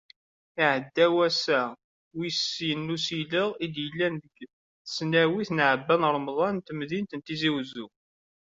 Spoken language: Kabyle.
Iɛedda wass-a wis sin n usileɣ, i d-yellan deg tesnawit n Ɛebban Remḍan n temdint n Tizi Uzzu.